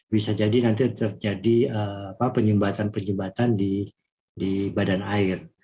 bisa jadi nanti terjadi penyumbatan penyumbatan di badan air